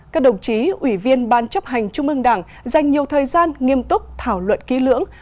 các đồng chí ủy viên ban chấp hành trung ương đảng dành nhiều thời gian nghiêm túc thảo luận ký lưỡng